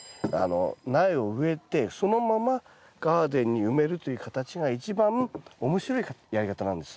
苗を植えてそのままガーデンに埋めるという形が一番面白いやり方なんです。